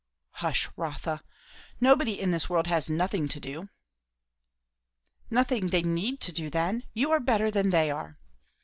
"Hush, Rotha. Nobody in this world has nothing to do." "Nothing they need do, then. You are better than they are."